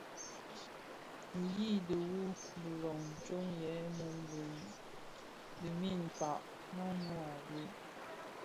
Yi dhiwu bilom tsom yè mum di nin kpag maňyu a bhëg.